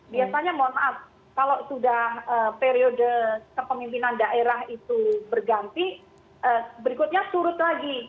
biasanya mohon maaf kalau sudah periode kepemimpinan daerah itu berganti berikutnya surut lagi